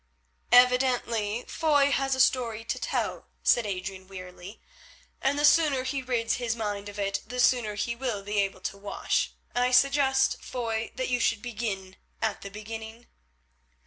"Evidently Foy has a story to tell," said Adrian wearily, "and the sooner he rids his mind of it the sooner he will be able to wash. I suggest, Foy, that you should begin at the beginning."